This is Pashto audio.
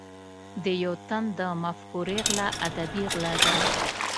د یو تن د مفکورې غلا ادبي غلا ده.